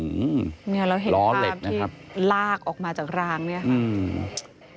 เราเห็นความที่ลากออกมาจากรางเนี่ยครับ